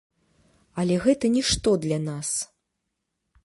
Але гэта нішто для нас.